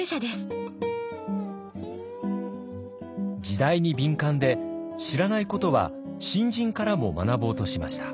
時代に敏感で知らないことは新人からも学ぼうとしました。